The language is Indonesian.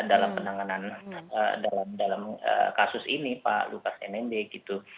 dalam penanganan dalam kasus ini pak lukas nmd gitu